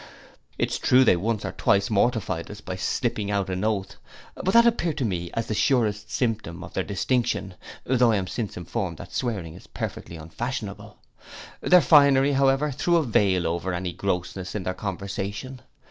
'Tis true they once or twice mortified us sensibly by slipping out an oath; but that appeared to me as the surest symptom of their distinction, (tho' I am since informed that swearing is perfectly unfashionable.) Their finery, however, threw a veil over any grossness in their conversation.